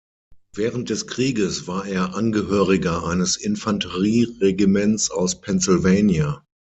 Während des Krieges war er Angehöriger eines Infanterieregiments aus Pennsylvania.